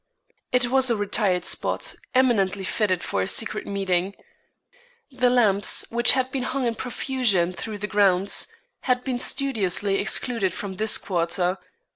It was a retired spot, eminently fitted for a secret meeting. The lamps, which had been hung in profusion through the grounds, had been studiously excluded from this quarter.